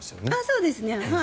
そうですね。